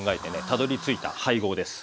たどりついた配合です。